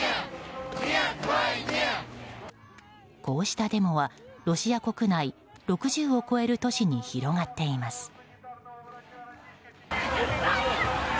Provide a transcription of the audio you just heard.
こうしたデモはロシア国内６０を超える都市に広がっています。